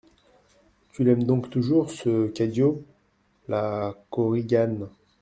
Tu l'aimes donc toujours, ce Cadio ? LA KORIGANE.